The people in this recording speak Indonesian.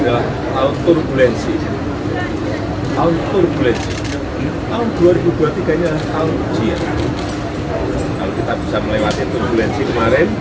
kalau kita bisa melewati turbulensi kemarin